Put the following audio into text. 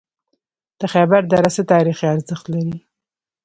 د خیبر دره څه تاریخي ارزښت لري؟